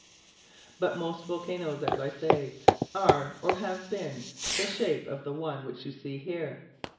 But most volcanos as I say, are, or have been, the shape of the one which you see here.